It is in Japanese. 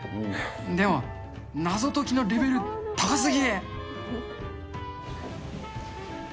でも、謎解きのレベル、高すぎ。